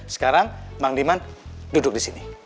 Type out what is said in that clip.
sekarang bang diman duduk di sini